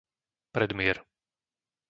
Predmier